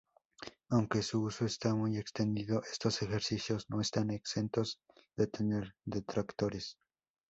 Aunque su uso está muy extendido, estos ejercicios no están exentos de tener detractores.